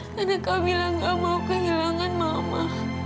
karena kamilah gak mau kehilangan mama